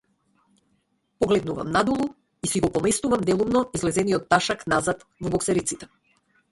Погледнувам надолу, и си го поместувам делумно излезениот ташак назад во боксериците.